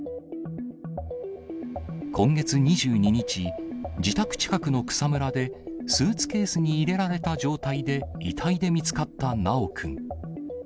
今月２２日、自宅近くの草むらで、スーツケースに入れられた状態で遺体で見つかった修くん。